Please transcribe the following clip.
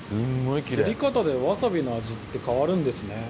すり方でわさびの味って変わるんですね。